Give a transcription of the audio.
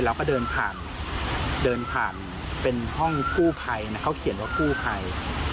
เราก็เดินผ่านเป็นห้องกู้ไภเขาเขียนว่ากู้ไภ